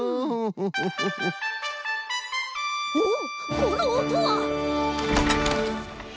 おおこのおとは！